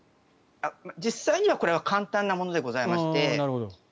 実際にはこれは簡単なものでございまして。